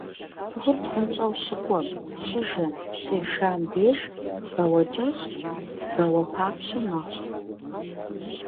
Цӏыхур псынщӏэу щыкӏуэм, щыжэм, щешам деж бауэкӏэщ, бауэбапщэ мэхъу.